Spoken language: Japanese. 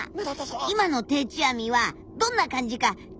今の定置網はどんな感じか聞いてみよう！